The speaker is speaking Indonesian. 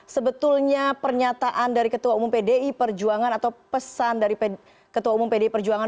sebetulnya pernyataan dari ketua umum pdi perjuangan atau pesan dari ketua umum pdi perjuangan